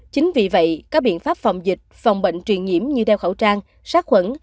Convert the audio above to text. chính vì vậy các biện pháp phòng dịch phòng bệnh truyền nhiễm như đeo khẩu trang sát khuẩn